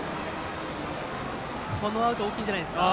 このアウト大きいんじゃないですか。